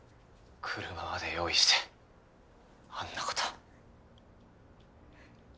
車まで用意してあんなこと。